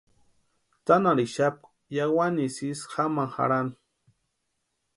Tsanharhixapka yáwani ísï jámani jarhani.